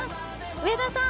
上田さん！